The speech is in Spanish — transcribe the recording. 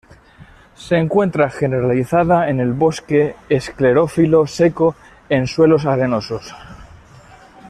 Se encuentra generalizada en el bosque esclerófilo seco en suelos arenosos.